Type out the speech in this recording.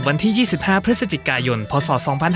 วันที่๒๕พฤศจิกายนพศ๒๕๕๙